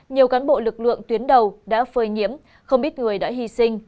nhiều cán bộ lực lượng tuyến đầu đã phơi nhiễm không ít người đã hy sinh